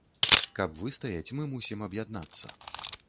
Каб выстаяць, мы мусім аб'яднацца.